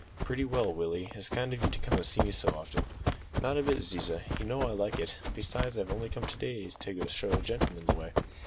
"Pretty well, Willie. It's kind of you to come and see me so often." "Not a bit, Ziza; you know I like it; besides, I've only come to day to show a gentleman the way."